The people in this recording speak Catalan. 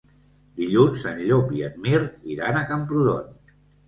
Dilluns en Llop i en Mirt iran a Camprodon.